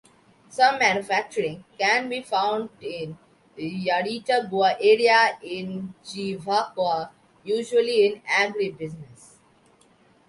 Some manufacturing can be found in Yaritagua area and Chivacoa, usually in agribusiness.